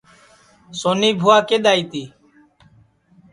سونی بُھوا کِدؔ آئی تی